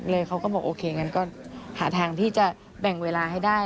เขาก็บอกโอเคงั้นก็หาทางที่จะแบ่งเวลาให้ได้